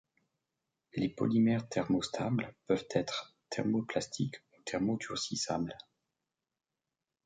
Les polymères thermostables peuvent être thermoplastiques ou thermodurcissables.